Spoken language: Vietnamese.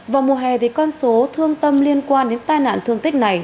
vào mùa hè thì con số thương tâm liên quan đến tai nạn thương tích này